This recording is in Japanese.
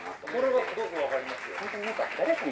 それはすごく分かりますよ。